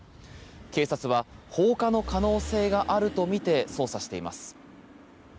警察は放火の可能性があるとみて捜査しています。